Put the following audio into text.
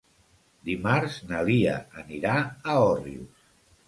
Dimarts na Lia anirà a Òrrius.